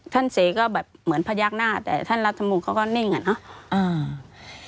ท่านเศษก็แบบเหมือนพระยากหน้าแต่ท่านรัฐธรรมนูนเขาก็เน่งอ่ะเนอะอ่า